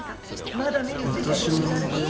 まだ見ぬ世界が見られますよ